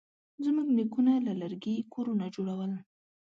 زموږ نیکونه له لرګي کورونه جوړول.